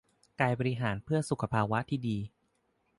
กายบริหารเพื่อสุขภาวะที่ดี